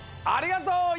ありがとう！